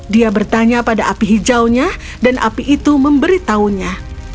dia bertanya pada api hijaunya dan api itu memberitahunya